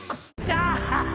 アハハ！